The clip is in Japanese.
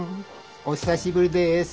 お久しぶりです。